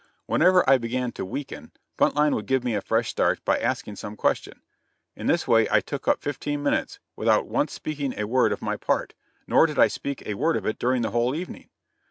Whenever I began to "weaken," Buntline would give me a fresh start, by asking some question. In this way I took up fifteen minutes, without once speaking a word of my part; nor did I speak a word of it during the whole evening.